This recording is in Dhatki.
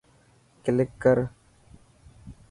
ڪلڪ ڪرو.